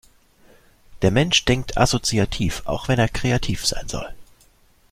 Der Mensch denkt assoziativ, auch wenn er kreativ sein soll.